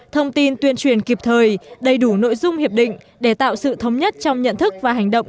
thông tin tuyên truyền kịp thời đầy đủ nội dung hiệp định để tạo sự thống nhất trong nhận thức và hành động